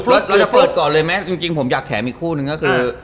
เราจะเปิดก่อนเลยไหมจริงผมอยากแถมอีกคู่นึงก็คือ